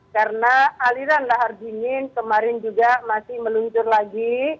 karena aliran lahar dingin kemarin juga masih meluncur lagi